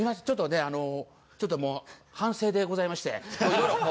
ちょっとあのちょっともう反省でございまして。